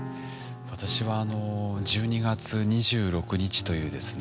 私は１２月２６日というですね